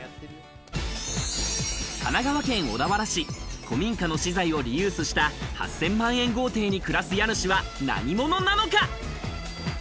神奈川県小田原市、古民家の資材をリユースした８０００万円豪邸に暮らす家主は何者なのか？